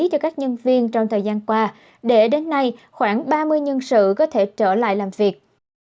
cho các nhân viên trong thời gian qua để đến nay khoảng ba mươi nhân sự có thể trở lại làm việc